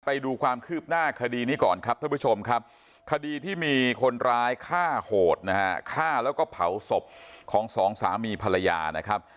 ไปดูความคืบหน้าคดีนี้ก่อนครับท่านผู้ชมครับคดีที่มีคนร้ายฆ่าโหดนะฮะฆ่าแล้วก็เผาศพของสองสามีภรรยานะครับ